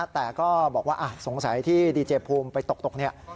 แต่ก็บอกว่าสงสัยที่ดีเจภูมิไปตกตกเนี่ย